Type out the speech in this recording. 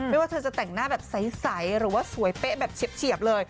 ไม่ว่าแกจะแต่งหน้าแบบใสหรือสวยเป๊ะแบบเฉียบ